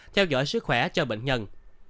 theo dõi sức khỏe cho bệnh nhân